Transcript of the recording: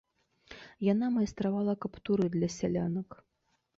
Яна майстравала каптуры для сялянак.